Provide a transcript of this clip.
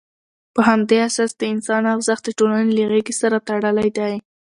په همدې اساس، د انسان ارزښت د ټولنې له غېږې سره تړلی دی.